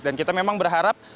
dan kita memang berharap